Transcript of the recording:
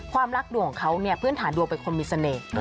ความรักดัวของเขาพื้นฐานดัวเป็นคนมีเสน่ห์